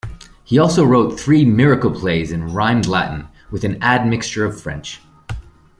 He also wrote three miracle plays in rhymed Latin with an ad-mixture of French.